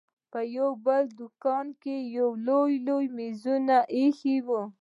په يو بل دوکان کښې لوى لوى مېزونه ايښي وو.